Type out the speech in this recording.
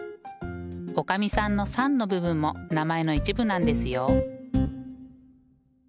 おかみさんの「さん」の部分も名前の一部なんですよ。